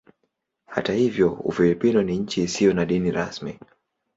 Hata hivyo Ufilipino ni nchi isiyo na dini rasmi.